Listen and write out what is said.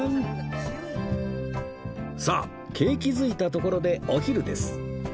さあ景気付いたところでお昼です